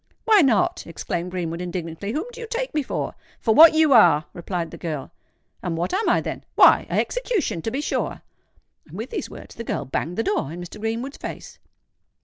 "Why not?" exclaimed Greenwood, indignantly. "Whom do you take me for?" "For what you are," replied the girl. "And what am I, then?" "Why—a execution, to be sure." And, with these words, the girl banged the door in Mr. Greenwood's face.